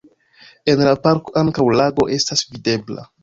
En la parko ankaŭ lago estas videbla.